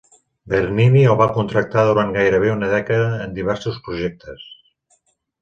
Bernini el va contractar durant gairebé una dècada en diversos projectes.